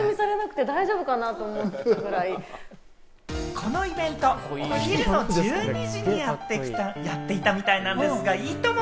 このイベント、お昼の１２時にやっていたみたいなんですが、『いいとも！』